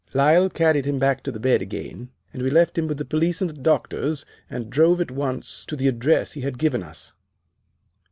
Lyle carried him back to the bed again, and we left him with the police and the doctors, and drove at once to the address he had given us.